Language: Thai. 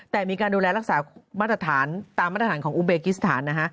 แต่มีการดูแลรักษาตามมาตรฐานของอุเบกิสถาน